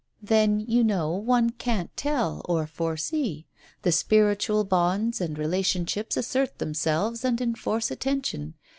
Then, you know, one can't tell, or foresee. ... The spiritual bonds and relationships assert themselves and enforce attention.